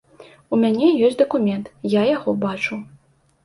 У мяне ёсць дакумент, я яго бачу.